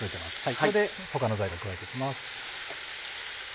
ここで他の材料加えていきます。